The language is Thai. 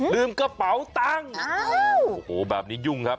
ลืมกระเป๋าตังค์โอ้โหแบบนี้ยุ่งครับ